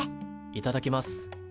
いただきます。